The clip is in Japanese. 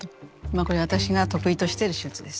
これは私が得意としてる手術です。